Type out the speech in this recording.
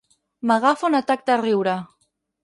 M'agafa un atac de riure.